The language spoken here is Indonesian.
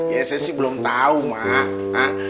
ya saya sih belum tau mah